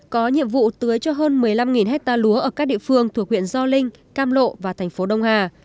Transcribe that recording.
có nhiệm vụ tưới cho hơn một mươi năm ha lúa ở các địa phương thuộc huyện gio linh cam lộ và tp đông hà